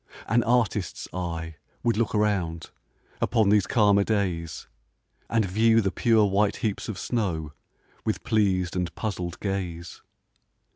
An artist's eye would look around, Upon these calmer days, And view the pure white heaps of snow, With pleas'd and puzzl'd gaze.